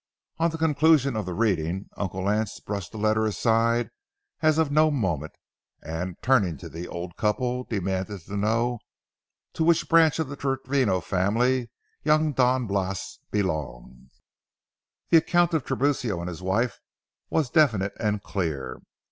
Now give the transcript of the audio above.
On the conclusion of the reading, Uncle Lance brushed the letter aside as of no moment, and, turning to the old couple, demanded to know to which branch of the Travino family young Don Blas belonged. The account of Tiburcio and his wife was definite and clear.